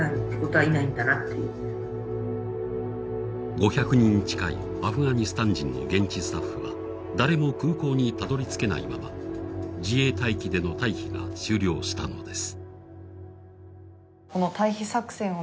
５００人近いアフガニスタン人の現地スタッフは誰も空港にたどり着けないまま自衛隊機での退避が終了したのです。